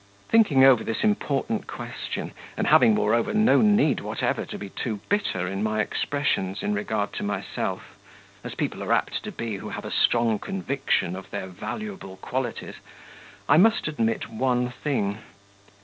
Thinking over this important question, and having, moreover, no need whatever to be too bitter in my expressions in regard to myself, as people are apt to be who have a strong conviction of their valuable qualities, I must admit one thing.